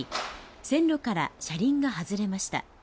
線路から車輪が外れました。